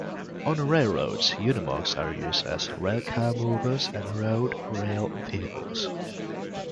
On railroads, Unimogs are used as rail car movers and road-rail vehicles.